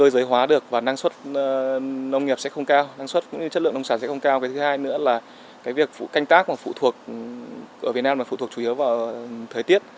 thứ hai nữa là việc canh tác ở việt nam phụ thuộc chủ yếu vào thời tiết